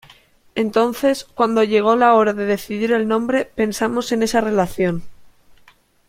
Entonces cuando llegó la hora de decidir el nombre pensamos en esa relación.